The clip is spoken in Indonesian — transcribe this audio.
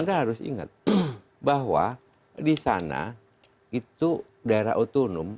kita harus ingat bahwa di sana itu daerah otonom